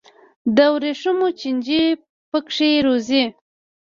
د ورېښمو چینجي پکې روزي.